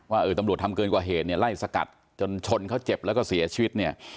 ว่าตำรวจทำเกินกว่าเหตุไล่สกัดจนชนเขาเจ็บแล้วก็เสียชีวิต